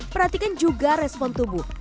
perhatikan juga respon tubuh